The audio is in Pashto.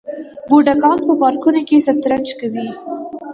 بوډاګان په پارکونو کې شطرنج کوي.